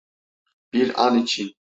Bir an için.